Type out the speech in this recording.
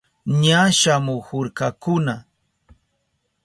Ña shamuhurkakuna.